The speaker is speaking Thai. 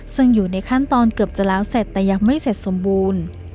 ซึ่งอยู่ในขั้นตอนเกือบจะแล้วเสร็จแต่ยังไม่เสร็จสมบูรณ์